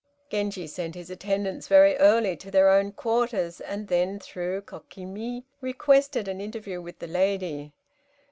Genji sent his attendants very early to their own quarters, and then, through Kokimi, requested an interview with the lady.